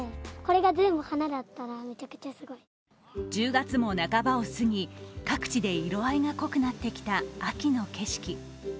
１０月も半ばを過ぎ、各地で色合いが濃くなってきた秋の景色。